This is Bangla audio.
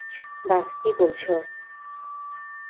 বাঃ কী বলছ!